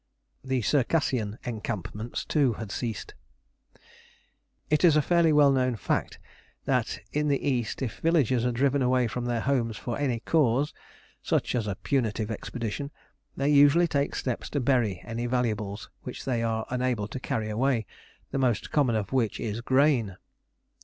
The Circassian encampments, too, had ceased. It is a fairly well known fact that in the East if villagers are driven away from their homes for any cause, such as a punitive expedition, they usually take steps to bury any valuables which they are unable to carry away, the most common of which is grain.